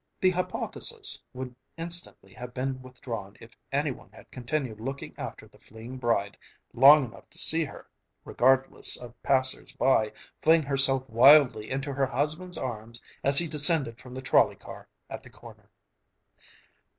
The hypothesis would instantly have been withdrawn if any one had continued looking after the fleeing bride long enough to see her, regardless of passers by, fling herself wildly into her husband's arms as he descended from the trolley car at the corner.